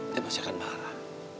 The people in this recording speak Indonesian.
dia masih akan marah